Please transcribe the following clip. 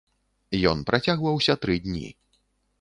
Ён працягваўся тры дні.